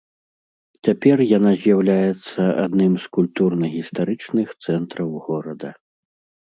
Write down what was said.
Цяпер яна з'яўляецца адным з культурна-гістарычных цэнтраў горада.